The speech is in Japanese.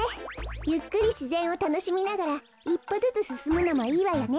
ゆっくりしぜんをたのしみながらいっぽずつすすむのもいいわよね。